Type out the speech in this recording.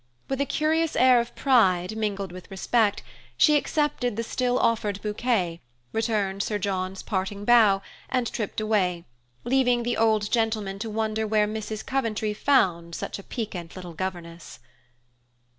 With a curious air of pride, mingled with respect, she accepted the still offered bouquet, returned Sir John's parting bow, and tripped away, leaving the old gentleman to wonder where Mrs. Coventry found such a piquant little governess.